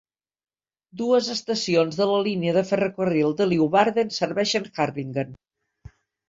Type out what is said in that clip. Dues estacions de la línia de ferrocarril de Leeuwarden serveixen Harlingen.